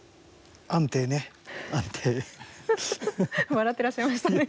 笑ってらっしゃいましたね。